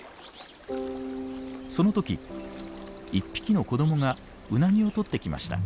その時１匹の子供がウナギをとってきました。